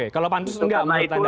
kalau pantus nggak menurut anda ya